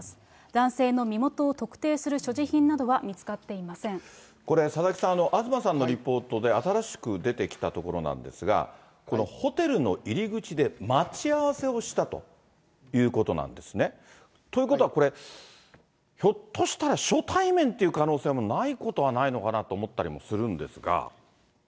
男性の身元を特定するこれ、佐々木さん、東さんのリポートで、新しく出てきたところなんですが、このホテルの入り口で待ち合わせをしたということなんですね。ということはこれ、ひょっとしたら初対面という可能性もないことはないのかなと思ったりもするんですが。